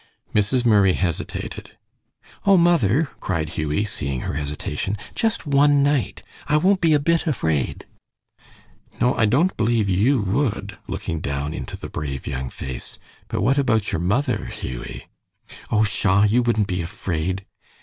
Mrs. Murray hesitated. "Oh, mother!" cried Hughie, seeing her hesitation, "just one night; I won't be a bit afraid." "No, I don't believe you would," looking down into the brave young face. "But what about your mother, Hughie?" "Oh, pshaw! you wouldn't be afraid."